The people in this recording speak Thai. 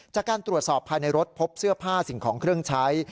จากการตรวจสอบภายในรถพบเสื้อผ้าสิ่งของเครื่องใช้